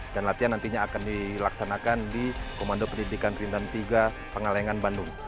dan latihan nantinya akan dilaksanakan di komando pendidikan rindam tiga pengalengan bandung